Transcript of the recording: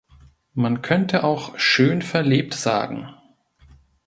Man könnte auch schön verlebt sagen.